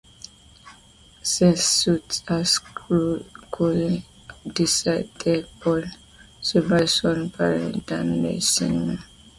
C'est suite à ce rôle qu'elle décide de poursuivre son parcours dans le cinéma.